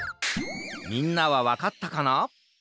みんなはわかったかな？